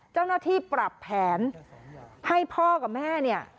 เจ้าหน้าที่ปรับแผนให้พ่อกับแม่เนี่ย